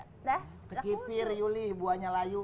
kecipir yuli buahnya layu